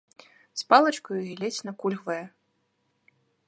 З палачкаю і ледзь накульгвае.